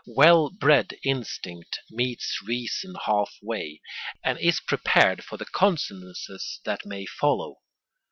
Well bred instinct meets reason half way, and is prepared for the consonances that may follow.